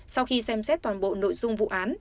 sau khi xem xét toàn bộ nội dung vụ án